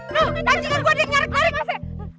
noh anjingan gue dia nyarek nyarek